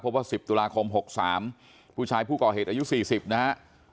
ว่า๑๐ตุลาคม๖๓ผู้ชายผู้ก่อเหตุอายุ๔๐นะฮะ